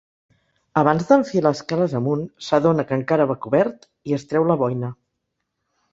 Abans d'enfilar escales amunt s'adona que encara va cobert i es treu la boina.